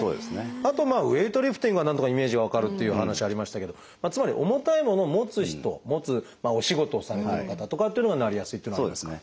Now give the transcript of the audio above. あとウエイトリフティングはなんとかイメージは分かるっていう話ありましたけれどつまり重たいものを持つ人持つお仕事をされている方とかっていうのはなりやすいっていうのはありますか？